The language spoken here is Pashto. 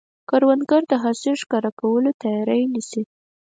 کروندګر د حاصل ښکاره کولو ته تیاری نیسي